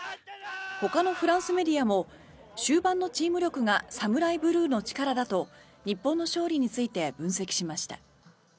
ほかのフランスメディアも終盤のチーム力がＳＡＭＵＲＡＩＢＬＵＥの力だと日本の勝利について分析しました。